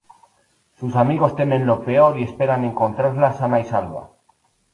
Sus amigos temen lo peor y esperan encontrarla sana y salva.